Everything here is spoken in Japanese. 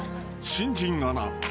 新人アナ。